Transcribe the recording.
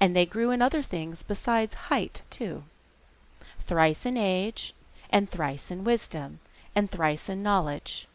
And they grew in other things besides height, too. Thrice in age, and thrice in wisdom, and thrice in knowledge.